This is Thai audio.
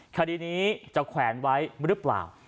คดีนี้จะแขวนไว้หรือเปล่า